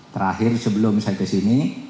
terakhir sebelum saya kesini